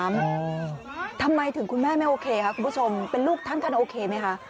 ทับไปในน้ำทำไมถึงคุณแม่ไม่โอเคค่ะคุณผู้ชมเป็นลูกท่านโอเคไหมคะ